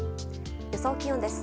予想気温です。